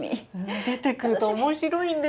出てくると面白いんです